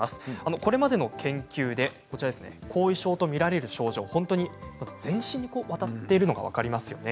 これまでの研究で後遺症と見られる症状が全身にわたっているのが分かりますよね。